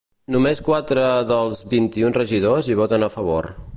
Només quatre dels vint-un regidors hi voten a favor.